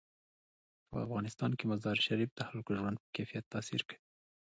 په افغانستان کې مزارشریف د خلکو د ژوند په کیفیت تاثیر کوي.